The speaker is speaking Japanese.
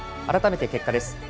改めて結果です。